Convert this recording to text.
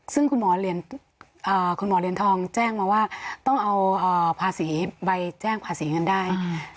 ซึ่งคุณหมอคุณหมอเหรียญทองแจ้งมาว่าต้องเอาภาษีใบแจ้งภาษีเงินได้